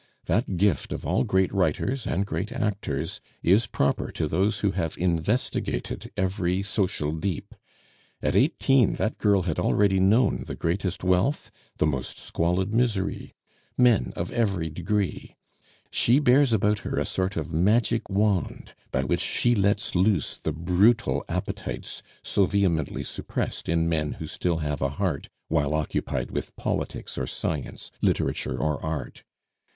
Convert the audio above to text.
That gift of all great writers and great actors is proper to those who have investigated every social deep. At eighteen that girl had already known the greatest wealth, the most squalid misery men of every degree. She bears about her a sort of magic wand by which she lets loose the brutal appetites so vehemently suppressed in men who still have a heart while occupied with politics or science, literature or art.